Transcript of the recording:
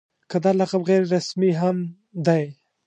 که دا لقب غیر رسمي هم دی.